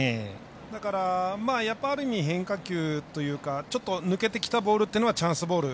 だから、ある意味変化球というかちょっと、抜けてきたボールというのはチャンスボール